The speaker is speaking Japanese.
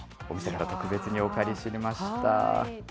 お店から特別にお借りしてきました。